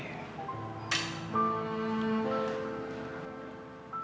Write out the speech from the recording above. aku tidak pernah ingin ini semua terjadi